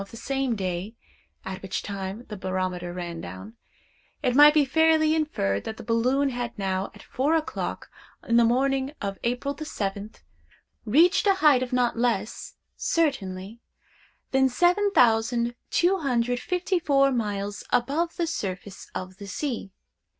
of the same day (at which time the barometer ran down), it might be fairly inferred that the balloon had now, at four o'clock in the morning of April the seventh, reached a height of not less, certainly, than 7,254 miles above the surface of the sea.